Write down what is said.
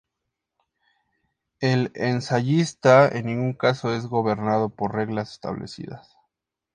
El ensayista en ningún caso es gobernado por reglas establecidas.